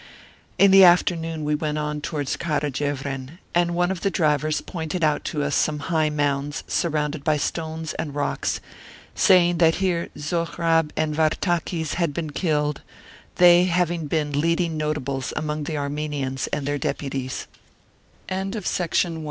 In the afternoon we went on towards Kara Jevren, and one of the drivers pointed out to us some high mounds, surrounded by stones and rocks, saying that here Zohrab^ and Vartakis had been killed, they having been leading Notables among the Armenians, and their De